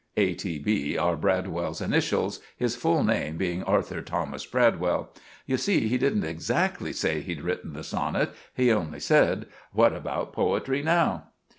A. T. B. are Bradwell's initials, his full name being Arthur Thomas Bradwell. You see, he didn't exsaxtly say he'd written the sonnit. He only said, "What about poetry now?"